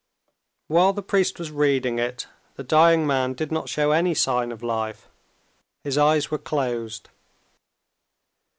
While the priest was reading it, the dying man did not show any sign of life; his eyes were closed.